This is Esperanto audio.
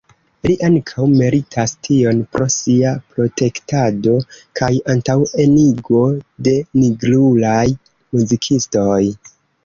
Li ankaŭ meritas tion pro sia protektado kaj antaŭenigo de nigrulaj muzikistoj.